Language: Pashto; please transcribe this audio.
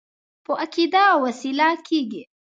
په عقیده او وسیله کېږي.